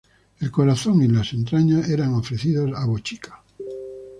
El corazón y las entrañas eran ofrecidos a Bochica.